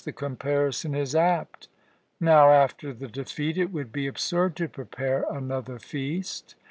"The comparison is apt. Now, after the defeat, it would be absurd to prepare another feast.